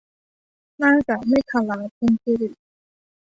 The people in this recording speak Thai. หน้ากากเมขลา - เพ็ญศิริ